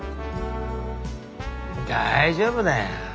大丈夫だよ。